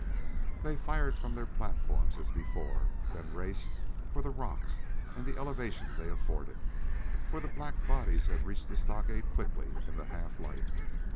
They fired from their platforms as before, then raced for the rocks and the elevation they afforded, for the black bodies had reached the stockade quickly in the half light.